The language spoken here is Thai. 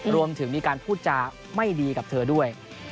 รวมถึงมีการพูดจาไม่ดีกับเธอด้วย